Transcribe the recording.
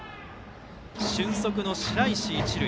俊足の白石が一塁。